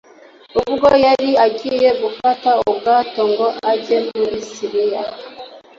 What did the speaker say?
ubwo yari agiye gufata ubwato ngo ajye muri Siriya